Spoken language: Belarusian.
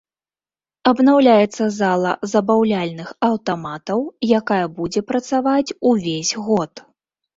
Абнаўляецца зала забаўляльных аўтаматаў, якая будзе працаваць увесь год.